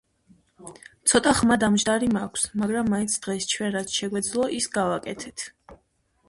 ცოტა ხმა დამჯდარი მაქვს, მაგრამ მაინც დღეს ჩვენ რაც შეგვეძლო ის გავაკეთეთ.